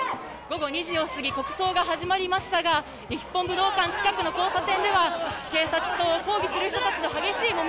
午後２時を過ぎ、国葬が始まりましたが、日本武道館近くの交差点では、警察と抗議する人たちの激しいも